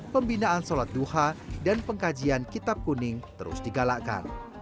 pembinaan sholat duha dan pengkajian kitab kuning terus digalakkan